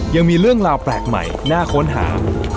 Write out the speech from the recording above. ยังมีเรื่องราวแปลกใหม่น่าค้นหา